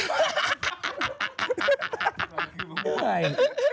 มะม่วง